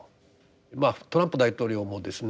まあトランプ大統領もですね